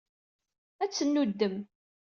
Ad tennuddem.